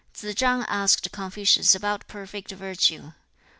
Tsze chang asked Confucius about perfect virtue.